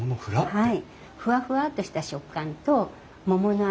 はい。